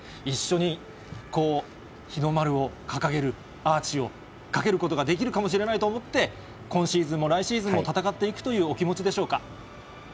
一緒にこう、日の丸を掲げる、アーチをかけることができるかもしれないと思って、今シーズンも来シーズンも戦っていくというお気持ちでしょうか。